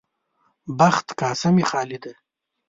بخت کاسه مې خالي ده.